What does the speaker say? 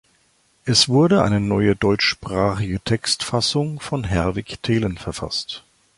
Es wurde eine neue deutschsprachige Textfassung von Herwig Thelen verfasst.